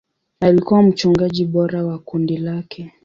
Alikuwa mchungaji bora wa kundi lake.